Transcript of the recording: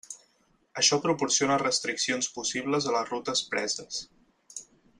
Això proporciona restriccions possibles a les rutes preses.